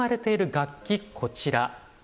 楽器こちら。